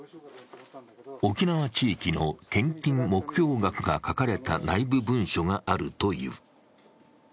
沖縄地域の献金目標額が書かれた内部文書があるという。